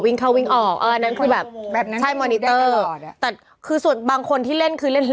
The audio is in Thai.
วิ่งเข้าวิ่งออกอ่ะนั่นคือแบบแบบนั้นใช่แต่คือส่วนบางคนที่เล่นคือเล่น